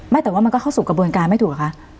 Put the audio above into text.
แต่ว่ามันก็เข้าสู่กระบวนการไม่ถูกหรอคะ